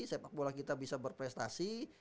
sepak bola kita bisa berprestasi